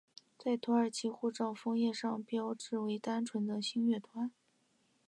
在土耳其护照封页上的标志为单纯的星月图案。